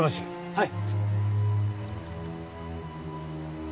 はい。